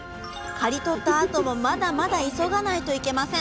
刈り取ったあともまだまだ急がないといけません。